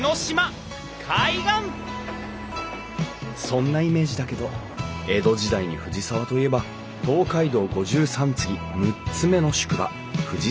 そんなイメージだけど江戸時代に藤沢といえば東海道五十三次６つ目の宿場藤沢宿。